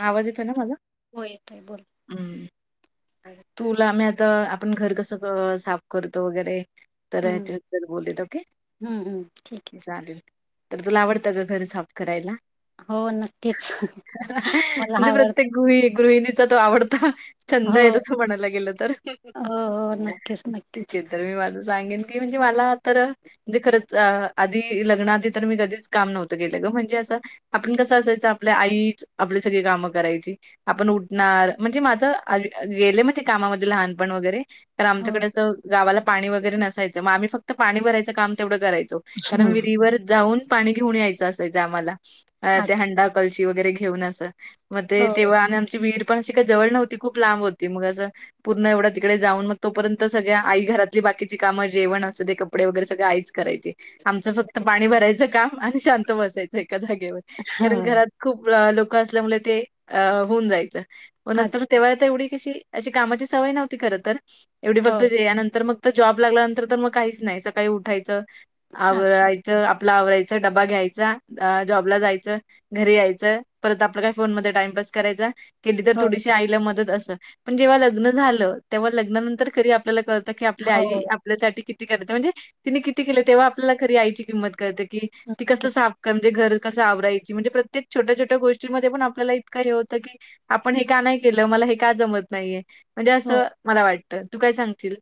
आवाज येतोय ना माझा. हो येतोय बोल. हूं! तूला मि आता आपण घर कस क साफ करतो वगैरे. तर हम्म, [unintelligible] ओके हम्म, हम्म ठीक आहे. चालेल. तर तुला आवडतं का घरं साफ करायला. हो नक्कीच. मला म्हणजे आवडतं प्रत्येक गृहि-गृहिणीचा तो आवडता. छंद आहे हो. तस म्हणायला गेलं तर, हो, हो नक्कीच, ठीक नक्कीच. आहे तर मी माझं सांगेन. ती म्हणजे माला तर म्हणजे खरंच. आधी लग्नाआधी तर मी कधीच काम नव्हतं केलं ग म्हणजे असं, आपण कसं असायचं आपल्या आईच. आपली सगळी कामं करायची. आपण उठणार म्हणजे माझं गेले म ते कामामध्ये लहानपण वगैरे. तर हो, आमच्याकडे असं गावाला पाणी वगैरे नसायचं, म आम्ही फक्त पाणी भरायचं काम तेवढं करायचो. हो कारण विहरीवर जाऊन पाणी घेऊन यायचं असायच आम्हाला त्या अच्छा हंडा कळशी वगैरे घेऊन अस म ते हो, तेव्हा आणि आमची विहीर. पण अशी काही जवळ नव्हती, खूप लांब होती मग असं. पूर्ण एवढं तिकडे जाऊन मग तोपर्यंत सगळ्या आई घरातली बाकीची कामं जेवण असु दे कप कपडे वगैरे सगळं आईच करायचे आमचं फक्त पाणी भरायचं काम आणि शांत बसायचं एका जागेवर. कारण हो घरात खूप लोक असल्यामुळे ते अ होऊन जायचं. म नंतर अच्छा तेव्हा आता एवढी कशी अशी कामाची सवय नव्हती खरं तर, एवढी हो फक्त जयानंतर मग. त जॉब लागल्यानंतर तर मग काहीच नाही सकाळी उठायचं अच्छा आवराय चं आपला आवरायचं डबा घ्यायचा, अ जॉबला जायचं घरी यायचं. परत आपल्या काय फोन मध्ये टाइमपास करायचा केली तर थोडीशी आईला मदत अस. पण जेव्हा लग्न झालं तेव्हा लग्नानंतर खरी आपल्याला कळतं की आपली हो, आई हो आपल्यासाठी किती करते म्हणजे तिने किती केलं तेव्हा आपल्याला खरी आईची किंमत कळते कि ती कस नक्कीच साफ म्हणजे घर कसं आवरायची म्हणजे प्रत्येक छोट्या छोे ट्या गोष्टीमध्ये पण आपल्याला इतकां हे होतं की आपण हे का नाही केलं, मला हे का जमत नाहीय. म्हणजे हो. असं मला वाटतं तू काय सांगशील.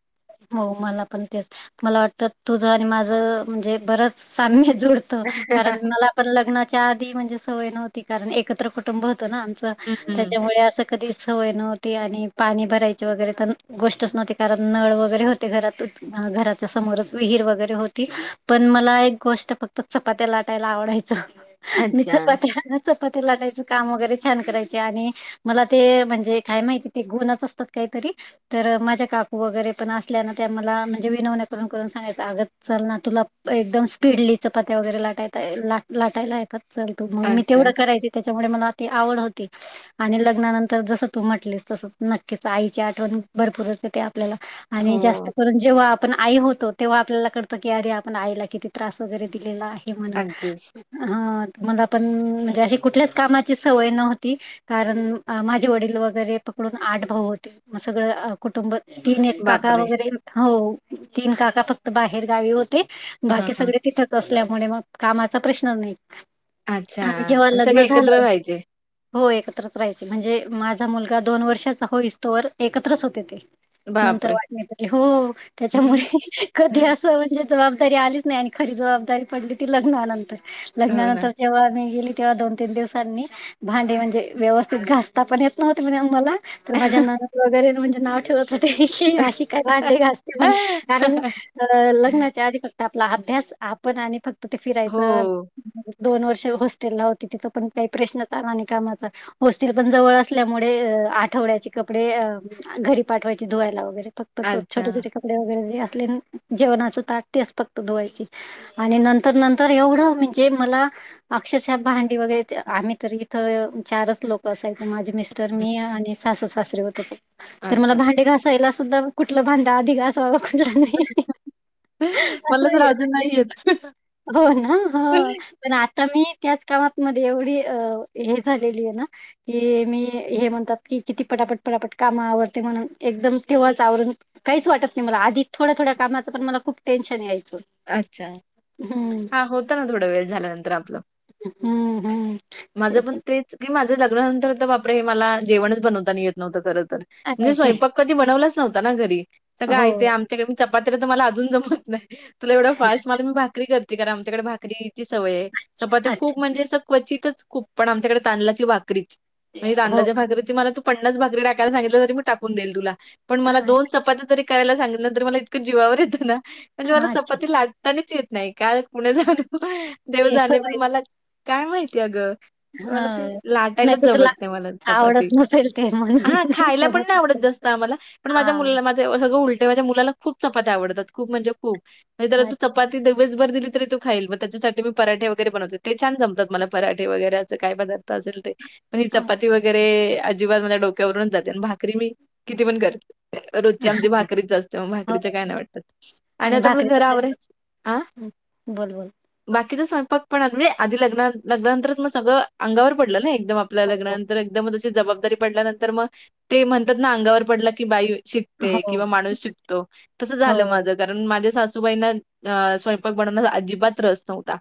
हो मला पण तेच, मला वाटतं तुझ आणि माझं म्हणजे बरंच साम्य जुड त कारण मला पण लग्नाच्या आधी म्हणजे सवय नव्हती कारण एकत्र कुट टंब होत ना आमच हं, हं. त्याच्यामुळे अस कधी सवय नव्हती आणि पाणी भरायची वगैरे त गोष्टच नव्हती कारण नळ वैगरे होते घरात. अ घराच्या समोरच विहीर वगैरे होती, पण मला एक गोष्ट फक्त चपात्या लाटायला आवडाय स [unintelligible] मी अच्छा, चपात्या, चपात्या लाटायचं काम वगैरे, छान करायची आणि मला ते म्हणजे काय माहिती ते गुंनच असतात काहीतरी, तर माज्या काकू वगैरे पण असल्याना, त्या मला म्हणजे विनवण्या करून करून सांगायच, आगं चल ना, तुला एकदम पिडली चपात्या वगैरे लाटाता यायला ला लाटायला येतात, चल तू, मंग मी अच्छा. तेवढं करायची, त्याच्यामुळे मला आ ती आवड होती. आणि लग्नानंतर जसं तू म्हटलीस, तसंच नक्कीच आईची आठवण, भरपूरच येते आपल्याला आणि हो. जास्त करून जेव्हा आपण आई होतो, तेव्हा आपल्याला कडत की, अरे आपण आईला किती त्रास वगैरे दिलेला ये. म्हणून अगदीच. हं मला पण, म्हणजे अशी कुठल्याच कामाची सवय नव्हती. कारण माझे वडील वगैरे पकडून, आठ भाऊ होते असं, मग सगळं कुटुंब तीन काका बापरे! वगैरे हो, तीन काका फक्त, बाहेर गावी होते. हां, बाकी हां. सगळे तिथं त असल्यामुळे मग कामाचा प्रश्न नाही. अच्छा, आणि जेव्हा लग्न सगळे एकत्र झालं राहायचे. हो एकत्रच राहायचे, म्हणजे माझा मुलगा दोन वर्षाचा होइसतोवर एकत्रच होते ते. नंतर बापरे! वाटण्या केल्या, हो त्याच्यामुळे कधी म्हणजे जबाबदारी आलीच नाही आणि खरी जबाबदारी पडली, ती हो ना. लग्नानंतर-लग्नानंतर जेव्हा मी गेली, तेव्हा दोन तीन दिवसांनी भांडे, म्हणजे व्यवस्थित घासता पण येत नव्हते, म्हण आ म्हाला तर माझ्या नणंद वगैरेणे म्हणजे नाव ठेवत ह्हणं, अशी काय भांडे घासते मन असते म्हण कारण अ लग्नाच्या आधी, फक्त आपला अभ्यास आपण आणि फक्त ते हो. फिरायचं दोन वर्ष हॉस्टेल ला होते, तिथं पण काही प्रश्नच आला नाही कामाचा. होस्टेल पण जवळ असल्यामुळे, आठवड्याचे कपडे अ घरी पाठवाय धूवायला वगैर फक्त, छोेट अच्छा. छोटे. [unintelligible] वगैरे जे अस जेवणाच ताट तेच फक्त धुवायची. [unintelligible] आणि नंतर नंतर एवढं म्हणजे मला अक्षरशः भांडी वगैरे त आम्ही तर इथ, चारच लोकं असायचे, माझे मिस्ट. हं. मी आणि सासू सासरे होते, तर मला अच्छा. भांडे घासायला, सुद्धा कुठलं भांड आधी घा खु नाही अस. मला तर अजून नाही [unintelligible] येत. होणा, हं. पण आता मी, त्याच कामातमध्ये एवढी हे झालेली ये ना. की मी, हे म्हणतात की, किती पटापट-पटापट कामं आवरते म्हणून. एकदम तेव्हाच आवरून, काहीच वाटत नही मला, आधी थोड्या--थोड्या कामाचं पण, मला खूप टेन्शन यायचं. अच्छा, हं, हां होत ना, थोड वेळ, झाल्यानंतर आपलं. हम्म हम्म. माझं पण तेच की, माझं लग्नानंतर, तर बापडे, मला जेवणच बनवताना येत नव्हतं खरं तर. अरे नहीं बापरे! स्वयंपाक कधी बनवलाच नव्हता ना घरी, सगळं हो. आयत आमच्याकड मी चपात्या तर मला अजून जमत नाही. तुला एवढं फास्ट, मला मी भाकरी करते, कारण आमच्याकडे भाकरीकॅजी सवय ये, चपात्या खूप अच्छा. म्हणजे अस क्वचितच खूप, पण आमच्याकड तांदळाची, भाकरीच. म्हणजे हो तांदलाची का? भाकरी, मला त. पन्नास भाकरी टाकायला सांगितलं तर मी टाकून देईन तुला, पण दोन चपात्या तरि करायला सांग [unintelligible] नंतर मला इतकं जीवावर येतं ना, अ, म्हणजे मला अच्छा. चपाती लाटतानि च येत नाही. पुणे जाण, देव ते जाणे, पण सवय मला काय माहिती अग. मला ते हां. नाही लाटायलाच तर जमत तुला नाही, मला चपाती, आवडत नसेल ते म्हणून हां खायला पण जमत नाही आवडत नसेल. जास् त, आम्हाला, पण माझ्या हां. मुलाल [unintelligible] सगळं उलटय. माझ्या मुलाला खूप चपात्या आवडतात. खूप म्हणजे खूप. नाही त्याला तू अच्छा, चपाती देऊ दिवसभर दिली तरी तो खाईल. मग त्याच्यासाठी मी पराठे वगैरे बनवते. ते छान जमतात मला. पराठे वगैरे अस काय पदार्थ असेल ते. पण ही चपाती अच्छा. वैगेर ते अजिबात माझ्या डोक्यावरूनच जाते. अन् भाकरी मी, किती पण करेल. रोजची आमची भाकरीच असते. मग हो भाकरीच्या काय नाही वाटत. आणि आता आपलं भाकरीचा घर स्वयंपाक. आवरायच आ? हं. बोल, बोल. बाकीचा स्वयंपाकपण अगदी, आधी लग्ना लग्नानंतरच मग सगळं, अंगावर पडलं ना एकदम. आपल्या हो लग्नानंतर एकदम मग अशी जबाबदारी पडल्यानंतर मग ते म्हणतात ना. अंगावर पडलं की, बाई शिकते. हो किंवा माणूस शिकतो. तसं झालं हो. माझं. कारण माझ्या सासूबाईना. स्वयंपाक बनवन्यात अजिबात रस नव्हता.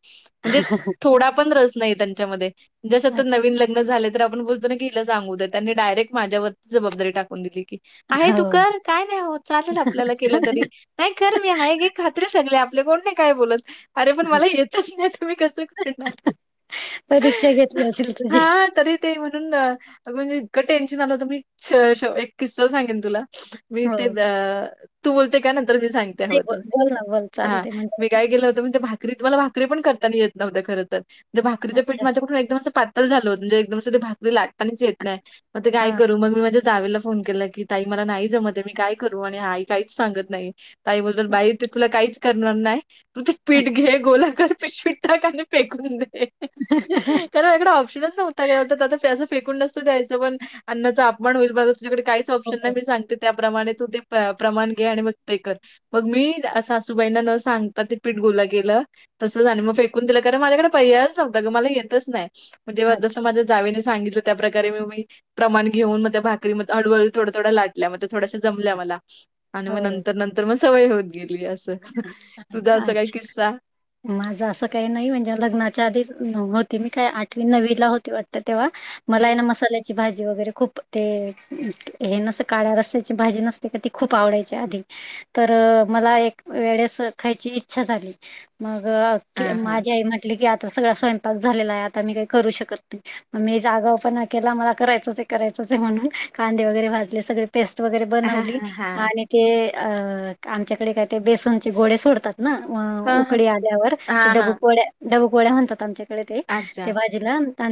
म्हणजे थोडा पण, रस नाही त्यांच्यामध्ये. जस आता अच्छा नवीन लग ग्न झाले तर आपण बोलतो ना, हिला सांगू दे. त्यांनी डायरेक्ट, माझ्यावरती जबाबदारी टाकून दिली की. आहे तू हो कर. काय नाही होत. चालल आपल्याला केलं तरी. नाही कर मी हाय की, खात ते सगले आपले. कोण नाही, काय बोलत. अरे पण, मला येतच नाही. त कसं करणार? परीक्षा घेतली असेल, तुझी. हां, तरी ते म्हणून अग म्हणजे, इतकं टेन्शन आल होतं. मी स स एक किस्सा सांगेन तुला. मी हो ते द नाही अ तू बोलते का? नंतर मी सांगते. हवं बोल तर. बोल ना बोल चालू हा, दे मी म्हणजे काय गेलं होत माहितेय. भात भाकरी. मला भाकरी पण करता ना येत नव्ह्यत्या खर तर. म्हणजे भाकरीच पीठ अच्छा माझ्याकडून एकदम असं पात तळ झाल होत. म्हणजे एकदम असं ते भाकरी लाटतानीच येत नाही. मग ते काय हा करू? मग मी माझ जावेला फोन केला की, ताई मला नाही जमतय. मी काय करू? आणि आई काहीच सांगत नाही. ताई बोलत्या बाई, ते तुला काहीच करणार नाही. तु, ते पीठ घे. गोला कर. पिशवीत टाक आणि फेकून दे. [unintelligible] कारण इकडा ऑप्शच न्हवता. [unintelligible] आता असं फेकून नसतं द्यायचं. पण अन्नाचा अपमान होईल ब आता तुझ्याकडे काय हो ऑप्शन हो. नाही. मी सांगते, त्याप्रमाणे तू ते प्रमाण घे. आणि मग ते कर. मग मी सासूबाईंना न सांगता, ते पीठ गोला केलं. तसच आणि मग फेकून दिल. का म माझ्याकडे पर्याच नव्हता गं. मला येतच नाय. म जेव्हा अच्छा जसं, माझ्या जावेने सांगितलं. त्याप्रकारे म मी प्रमाण घेऊन म त्या भाकरी म हळूहळू थोड्या - थोड्या लाटल्या. म त्या थोड्याशा, जमल्या मला. आणि म हो नंतर - नंतर म सवय होत गेली. असं. तुझा अच्छा असा अच्छा काय, किस्सा? माझं असं काही नाही. म्हणजे लग्नाच्या आधीच, होती. मी काय आठवी - नव्वीला होती वाटत तेव्हा. मला हाय ना. हं. मसाल्याची भाजी वगैरे खूप ते हे, ना अस काळ्या रस्साची भाजी नसते का? ती खूप आवडायची आधी. तर मला एक [inaudible] आस खायची इच्छा झाली. मग हां, हां. माझी आई म्हट ली की, आता सगळा स्वयंपाक झालेला हाय. आता मी काय करू शकत नाही. मी आसा आगावपणा केला. मला करायचंचय, करायचंचय म्हणून. कांदे वगैरे भाजले सगळे. पेस्ट वगैरे हां, बनवली. हां, हां. आणि ते अ आमच्याकडे काय ते? बेसनचे गोडे सोडतात. ते ना हां, उकडी आल्यावर. ते हां, हां. डबूपोळ्या, डबूपोळ्या म्हणतात आमच्याकडे ते. अच्छा. ते भाजी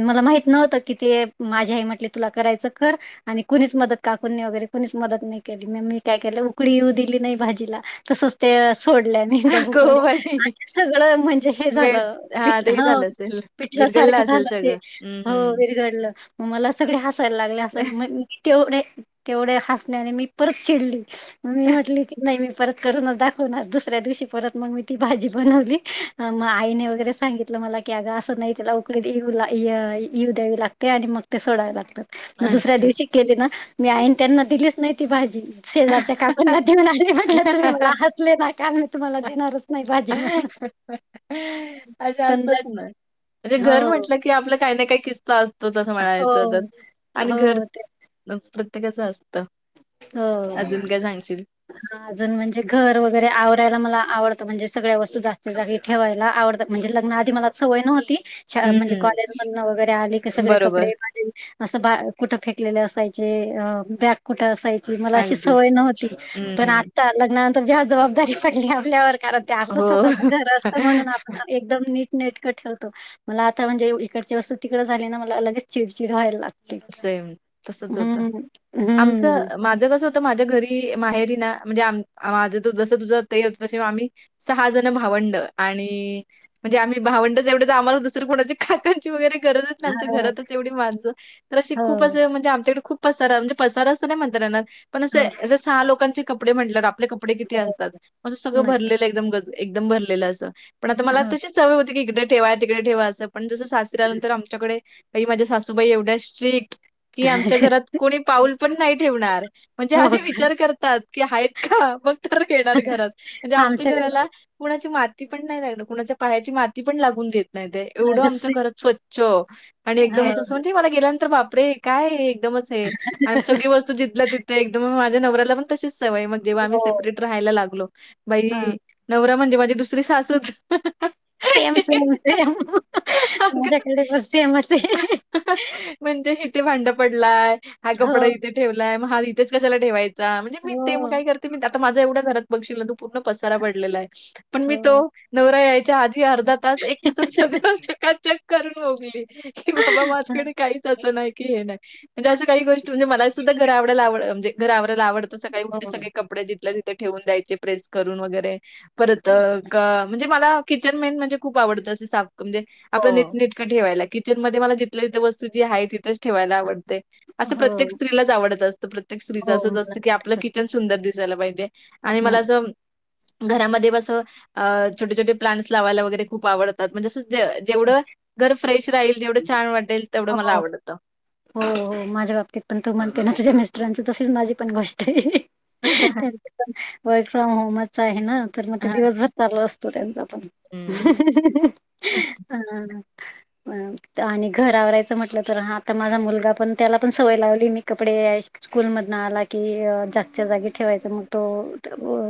मला माहित नव्हत की ते. माझी आई म्हटली, तुला करायचं तर कर. आणि कुणीच मदत, काकून वगैरे कुणीच मदत नाही केली. म मी काय केलं, उकडी येऊ दिली नाही भाजीला. तसंच ते सोडल्या डब्बू अगो पोळ्या. बाई! आणि सगळं म्हणजे हे झालं. मेल्ट हां, पिठलं. ते ह. झालं असेल. पिटलसारखं विरघळलं असेल झालं ते. सगळं. हं, हो हं. विरघडलं. म मला सगळे हसायला लागले. असल मग तेवढे तेवढ्या हसण्याने, मी परत चिडली. मी म्हटली की नाय मी परत करूनच दाखवणार दुसऱ्या दिवशी परत मग मी ती भाजी बनवली अ म आईने वगैरे सांगित सागितलं मला की अग असं नाही त्यला उकळी येऊ अ येऊ द्यावी लागते आणि मग ते सोडावे लागतात. म दुसऱ्या अच्छा. दिवशी केली ना मी आईन त्यांना दिलीच नाय ती भाजी शेजारच्या काकूंना देऊन आले म्हटलं तुम्ही मला हसले ना काल मी तुम्हाला देणारच नाही भाजी म्हणून अशे पण असतात जर ना म्हणजे हो घर म्हटलं की आपलं काय ना काय किस्स स्सा असतो असच असं हो म्हणायचं तर आणि घर हो ते प्रत्येकाचं असत हो. हा अजून म्हणजे घर वगैरे आवरायला मला आवडतं म्हणजे सगळ्या वस्तू जगाच्या जागी ठेवायला आवडतं म्हणजे लग्ना आधी मला सवय नव्हती. शाळा हं, म्हणजे हं. कॉलेज मधन वगैरे आले की सगळे बरोबर. कपडे माझी असं बा कुठं फेकलेले असायचे अ बॅग कुठं अस यची मला अशी सवय अगदीच. नव्हती हं, पण हं. आता लग्नानंतर जेव्हा जबाबदारी पडली आपल्यावर कारण ते आपलं हो. स्वतःचं घर असतं म्हणून आपण एक एकदम नीट नेटक ठेवतो मला आता म्हणजे इकडची वस्तू तिकड झाली ना मला लगेच चिडचिड व्हायला लाग सेम तसच होत आमचं हम्म अ माझं कसं होतं माझ्या घरी माहेरी ना म्हणजे आम माझं जसं तुझं ते होत तसे आम्ही सहा जण भावंड आणि म्हणजे आम्ही भावंड एवढे तर आम्हाला दुसरे कोणाची काकांची वगैरे गरजच नाय आमच्या हो घरातच एवढी माणसं तर अशी हो खूप असं म्हण म्हणजे आमच्याकडे खूप पसार म्हणजे पसार असं नाय म्हणता येणार पण हो असे अस सहा लोकांची कपडे म्हंटल्यावर आपली कप कपडे किती असतात म अस सगळं नक्की भरलेलं एकदम गच एकदम भरलेलं अस पण आता मला हो. तशीच सवय होती की इकडे ठेवा तिकडे ठेवा असं पण जसं सासरी आल्या नंतर आमच्याकडे बाई माझ्या सासूबाई एवढ्या स्ट्रिक्ट की आमच्या घरात कोणी पाऊल पण नाही ठेवणार म्हणजे हो आधी विचार करतात. की आहेत का मग तर येणार घरात म्हणजे का आमच आमच्याकडे घराला कुणाची माती पण नाय लागणार कुणाच्या पायाची माती पण लागून देत नाही ताई एवढं अगस्ट आमच्या घरात स्वच्छ आणि एकदमच असं म्हणजे मला गेल्या नं म्हणलं बापरे काय हे एकदमच हे आणि सगळी वस्तू जिथल्या तिथं एकदम माझ्या नवऱ्याला पण तशीच सवय मग जेव्हा आम्ही हो हो सेपरेट राहायला लागलो हां. बाई नवरा म्हणजे माझी दुसरी सासूच सेम सेम सेम अगं आमच्याकडं पण सेमच ये म्हणजे इथे भांड पडलाय हा हो कपडा इथे ठेवलाय म हा इथेच कशाला ठेवाय चा म्हणजे मी हो ते म काय करते मी आता माझा एवढा घरात बघशील ना तू पूर्ण पसारा पडलेला आय. पण मी हो तो नवरा यायच्या आधी अर्धा तास एक तासात सगळं चकाचक करून मोकली. की बाबा हां. माझ्याकड काहीच असं नाय की हे नाय. म्हणजे असं काही गोष्ट म्हणजे मला सुद्धा घर आवडायला आव म्हणे घर आवरायला आवडंत सकाळी हो उट सगळे कपडे जिथल्या तिथे ठेवून जायचे प्रेस करून वगैरे परत अ क म्हणजे मला किचन मेन म्हणजे खूप आवडतं अस साप म्हणजे आपलं हो नीटनेट क ठेवायला किचन मध्ये मला जिथल्या तिथ वस्तू जी हाय तिथच ठेवायला आवडते अस प्रत्येक हो स्त्रीलाच आवडत असतं प्रत्येक स्त्री हो असं मला असं की आपलं वाटतं किचन सुंदर दिसायला पाहिजे आणि तसंच ना. मला असं घरामध्ये ब असं अ छोटे छोटे प्लांट्स लावायला वगैरे खूप आवडतात म्हणजे असं जे जेवढं घर फ्रेश राहील जेवढं छान वाटेल तेवढं मला अगो आवडतं. बाई हो हो, माझ्या बाबतीत पण तू म्हणते ना, तुझ्या मिस्टरांच तशीच माझी पण गोष्ट हाय. [inaudible] त्यांच पण वर्क फ्रॉम होमच आहे ना, तर मग ते हां. दिवसभर चालू असत त्यांचा पण हं. [inaudible] अ आणि त घर. घर आवरायचं म्हटलं तर, हा आता माझा मुलगा पण त्याला पण सवय लावली मी कपडे स्कूल मधन आला की जागच्या जागी ठेवायच, मग तो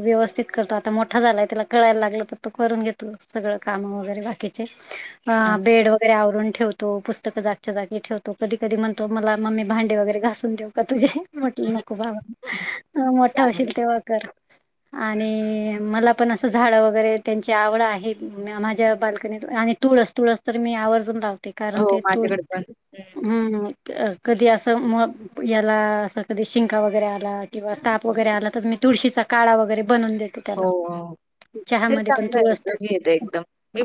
व्यवस्थित करतो. आता मोठा झालाय त्याला कळाय लागलं तर, तो करून घेतो सगळं काम वगैरे बाकीची. हा अच्छा. बेड वगैरे आवरून ठेवतो, पुस स्तक जागच्या जागे ठेवतो. कधी कधी म्हणतो मम्मी भांडे वगैरे घासून देऊ का तुझे? म्हटलं हं. नको बाबा! मोठा चांगलं. होशील तेव्हा कर. आणि मला पण असं झाड वगैरे त्यांची आवड आहे. पुन्हा माझ्या बालकनीत आने तुळस तुळस तर मी आवर्जून लावते, कारण हो, ते तुळस माझ्याकडे पण. हं. हूम कधी असं म याला असं कधी शिंका वगैरे आला किंवा ताप वगैरे आला तर, मी तुळशीचा काढा वगैरे बनवून देते हो. त्याला, हो. ते चहामध्ये पण चांगलं आहे. तूळस टाकते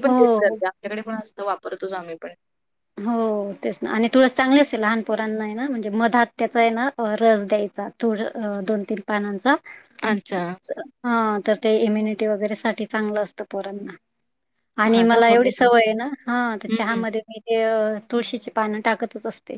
हो हो. अमच्याकडे पण असंत वापरतोच आम्ही पण हो. हो तेच ना आणि तुळस चांगली असते लहानपोरांना हाय ना म्हणजे मधात त्याचा आहे ना रस द्यायचा. थोड दोन तीन पानांचा अच्छा. हा तर ते इम्युनिटी वगैरे साठी चांगलं असतं पोरांना. आणि हां का? मला एवढी बघेन मी. सवय ये ना, हा तर हं, हं. चहामध्ये मी जे तुळशीची पानं टाकतच असते.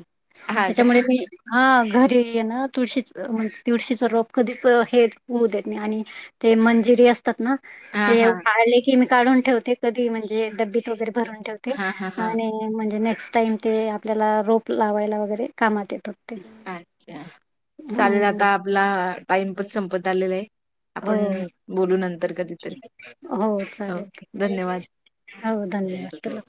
हां का? त्याच्यामुळे मी हा घरी ह ना तुळशीच म्हणज तुळशीचा रोप कधीच हेच होऊ देत नाही आणि ते मंजिरी आस तत ना हां, हे हां. आले की मी काढून ठेवते, कधी म्हणजे ड्बीत वगैरे भरून ठेवते. हां, हां, ते हां. आणि म्हणजे नेक्स्ट टाइम ते आपल्याला रोप लावायला वगैरे कामात येते. अच्छा, चालेल आता आपला टाइम पणं संपत आलेला आहे. हो आपण बोलू नंतर कधीतरी, ओके, धन्यवाद! हाव धन्यवाद!